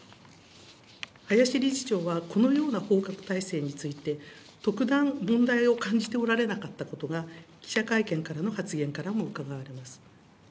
林理事長は、このような報告体制について、特段、問題を感じておられなかったことが、記者会見からの発言からもうかがわれます。